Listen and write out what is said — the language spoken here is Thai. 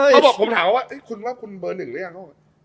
เขาบอกผมถามว่าไอ้คุณคุณเบอร์๑หรือยัง